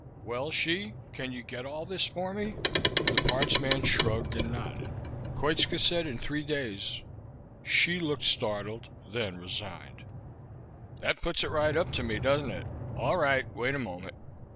"Well, Hsi? Can you get all this for me?" The parts man shrugged and nodded. "Koitska said in three days." Hsi looked startled, then resigned. "That puts it right up to me, doesn't it? All right. Wait a moment."